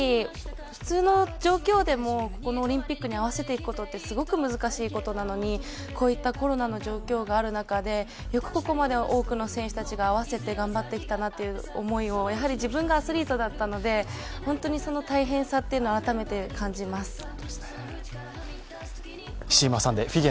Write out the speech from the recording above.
普通の状況でもオリンピックに合わせていくことってすごく難しいことなのに、こういったコロナの状況がある中でよくここまで多くの選手たちが合わせて頑張ってきたなという思いをやはり自分がアスリートだったので、本当にその大変さというのを改めて感じます。